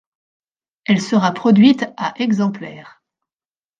Elle sera produite à exemplaires.